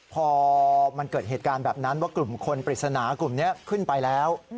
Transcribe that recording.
พอมันเกิดเหตุการณ์แบบนั้นว่ากลุ่มคนปริศนากลุ่มนี้ขึ้นไปแล้ว